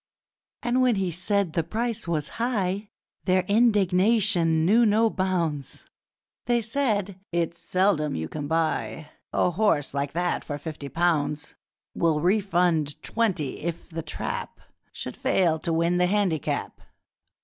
And when he said the price was high, Their indignation knew no bounds. They said, 'It's seldom you can buy A horse like that for fifty pounds! We'll refund twenty if The Trap Should fail to win the handicap!'